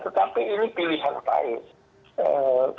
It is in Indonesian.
tetapi ini pilihan baik